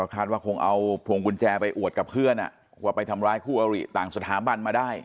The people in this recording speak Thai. คาดว่าคงเอาพวงกุญแจไปอวดกับเพื่อนว่าไปทำร้ายคู่อริต่างสถาบันมาได้